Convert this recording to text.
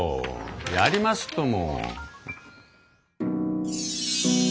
やりますとも！